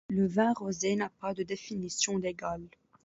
Le vin rosé n'a pas de définition légale.